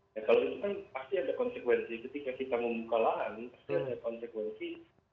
ya kalau itu kan pasti ada konsekuensi ketika kita membuka lahan pasti ada konsekuensi